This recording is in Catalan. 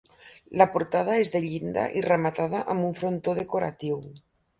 La portada és de llinda i rematada amb un frontó decoratiu.